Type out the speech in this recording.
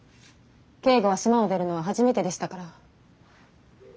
京吾は島を出るのは初めてでしたから。